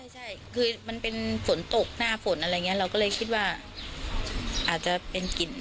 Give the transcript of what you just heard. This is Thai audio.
ใช่คือมันเป็นฝนตกหน้าฝนอะไรอย่างนี้เราก็เลยคิดว่าอาจจะเป็นกลิ่น